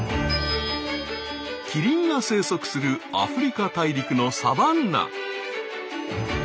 キリンが生息するアフリカ大陸のサバンナ。